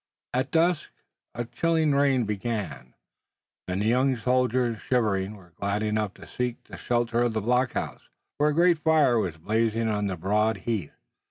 At dusk a chilling rain began, and the young soldiers, shivering, were glad enough to seek the shelter of the blockhouse, where a great fire was blazing on the broad hearth.